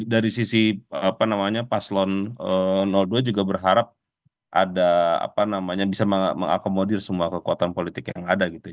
dari sisi paslon dua juga berharap bisa mengakomodir semua kekuatan politik yang ada gitu